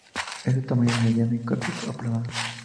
Es de tamaño mediano y cuerpo aplanado.